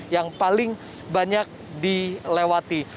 yang paling banyak dilewati